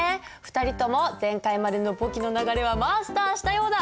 ２人とも前回までの簿記の流れはマスターしたようだ。